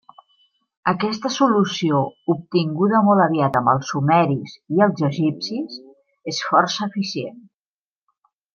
Aquesta solució, obtinguda molt aviat amb els Sumeris i els Egipcis, és força eficient.